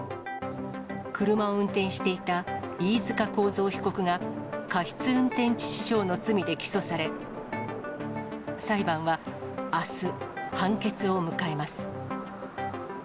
車を運転していた飯塚幸三被告が、過失運転致死傷の罪で起訴され、裁判はあす、判決を迎えます。